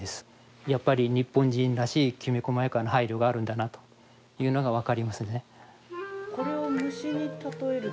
やっぱり日本人らしいきめ細やかな配慮があるんだなというのが分かりますね。